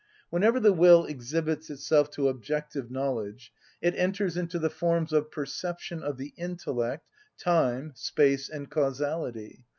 Whenever the will exhibits itself to objective knowledge it enters into the forms of perception of the intellect, time, space, and causality.